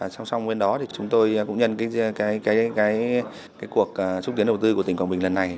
xong xong bên đó chúng tôi cũng nhận cuộc trúc tiến đầu tư của tỉnh quảng bình lần này